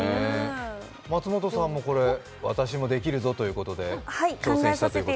松本さんも、これ私もできるぞということで挑戦したということで。